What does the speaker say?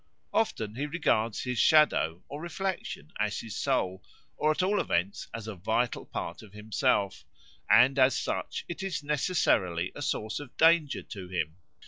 Often he regards his shadow or reflection as his soul, or at all events as a vital part of himself, and as such it is necessarily a source of danger to him.